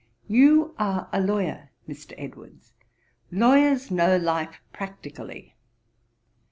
'You are a lawyer, Mr. Edwards. Lawyers know life practically.